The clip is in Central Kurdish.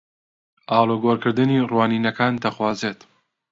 ئاڵوگۆڕکردنی ڕوانینەکان دەخوازێت